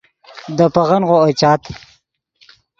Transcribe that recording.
دے پیغنغو اوئے چاد